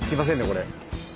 これ。